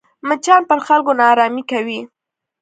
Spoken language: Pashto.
مچان پر خلکو ناارامي کوي